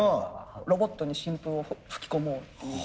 ロボットに新風を吹き込もうっていう。